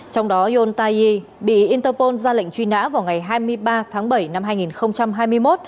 trong đó yon tai yi bị interpol ra lệnh truy nã vào ngày hai mươi ba tháng bảy năm hai nghìn hai mươi một